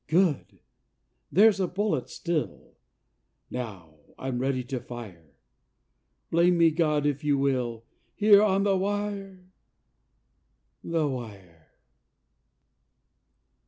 Good! there's a bullet still; Now I'm ready to fire; Blame me, God, if You will, Here on the wire ... the wire.